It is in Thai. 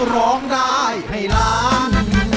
ร้องได้ให้ล้าน